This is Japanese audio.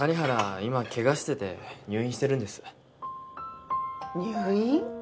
今ケガしてて入院してるんです入院？